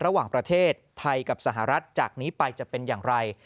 ระหว่างประเทศไทยกับสหรัฐจากนี้ไปจะเป็นอย่างไร